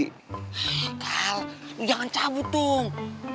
heee kak lo jangan cabut tung